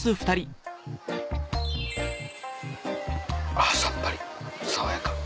あっさっぱり爽やか。